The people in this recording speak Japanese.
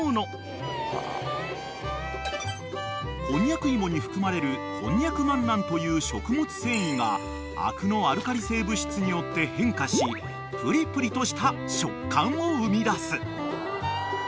［こんにゃく芋に含まれるこんにゃくマンナンという食物繊維が灰汁のアルカリ性物質によって変化しプリプリとした食感を生み出す］